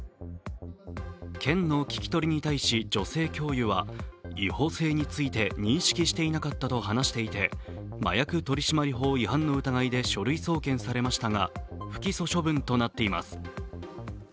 県の聞き取りに対し、女性教諭は違法性について認識していなかったと話していて麻薬取締法違反の疑いで書類送検されましたが不起訴処分となっています。